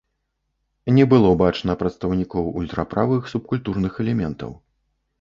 Не было бачна прадстаўнікоў ультраправых субкультурных элементаў.